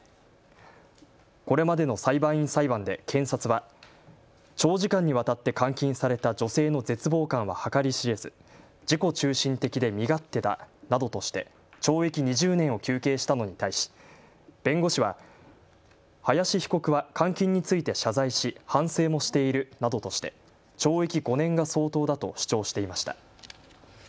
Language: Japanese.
これまでの裁判員裁判で検察は長時間にわたって監禁された女性の絶望感は計り知れず自己中心的で身勝手だなどとして懲役２０年を求刑したのに対し弁護士は林被告は監禁について謝罪し反省もしているなどとして懲役５年が相当だと主張していました。